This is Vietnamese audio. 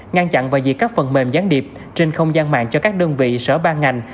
ngăn chặn và diệt các phần mềm gián điệp trên không gian mạng cho các đơn vị sở ban ngành